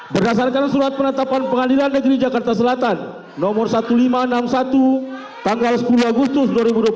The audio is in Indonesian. berdasarkan surat penetapan pengadilan negeri jakarta selatan nomor seribu lima ratus enam puluh satu tanggal sepuluh agustus dua ribu dua puluh tiga